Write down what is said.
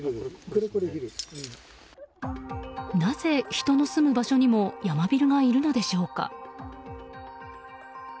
なぜ人の住む場所にもヤマビルがいるのでしょうか。